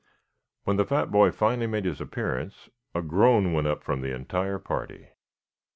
When the fat boy finally made his appearance a groan went up from the entire party.